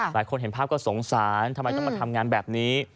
เห็นภาพก็สงสารทำไมต้องมาทำงานแบบนี้